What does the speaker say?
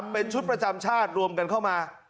เป็นชุดประจำชาติรวมกันเข้ามา